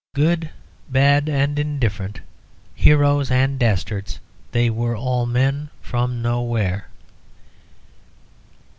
Good, bad, and indifferent, heroes and dastards, they were all men from nowhere.